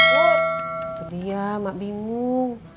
itu dia mak bingung